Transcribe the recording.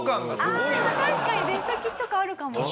ああ確かに『ベスト・キッド』感あるかも。